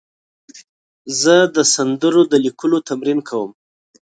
زه د سندرو د لیکلو تمرین کوم.